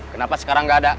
kenapa sekarang nggak ada